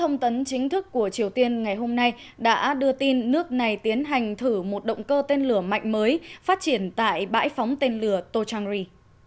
thông tấn chính thức của triều tiên ngày hôm nay đã đưa tin nước này tiến hành thử một động cơ tên lửa mạnh mới phát triển tại bãi phóng tên lửa tochangri